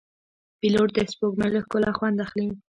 پیلوټ د سپوږمۍ له ښکلا خوند اخلي.